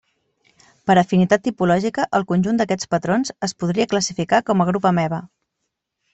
Per afinitat tipològica, el conjunt d'aquests patrons es podria classificar com a grup ameba.